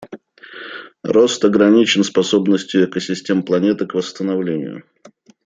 Рост ограничен способностью экосистем планеты к восстановлению.